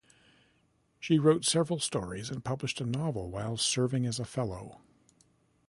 She wrote several stories and finished a novel while serving as a fellow.